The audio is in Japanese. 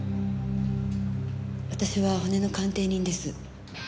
私は骨の鑑定人です。